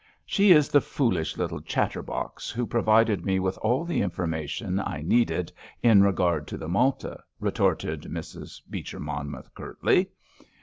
"She is the foolish little chatterbox who provided me with all the information I needed in regard to the Malta," retorted Mrs. Beecher Monmouth curtly.